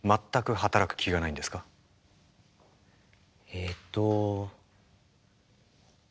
えっと。